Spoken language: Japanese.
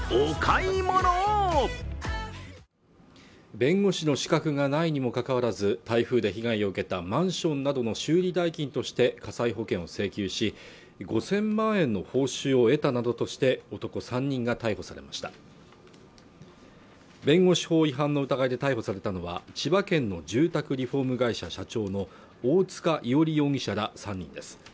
弁護士の資格がないにもかかわらず台風で被害を受けたマンションなどの修理代金として火災保険を請求し５０００万円の報酬を得たなどとして男３人が逮捕されました弁護士法違反の疑いで逮捕されたのは千葉県の住宅リフォーム会社社長の大塚伊織容疑者ら３人です